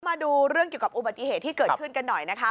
มาดูเรื่องเกี่ยวกับอุบัติเหตุที่เกิดขึ้นกันหน่อยนะคะ